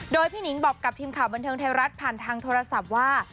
โดยพี่หนิงบอกกับทีมข่าวบันเทิงไทยรัฐผ่านทางโทรศัพท์ว่า